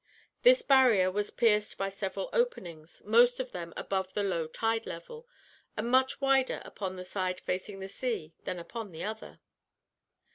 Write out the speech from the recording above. This barrier was pierced by several openings, most of them above the low tide level, and much wider upon the side facing the sea than upon the other.